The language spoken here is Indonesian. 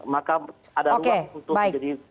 maka ada ruang untuk menjadi